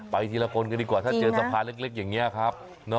ไปทีละคนกันดีกว่าถ้าเจอสะพานเล็กอย่างนี้ครับ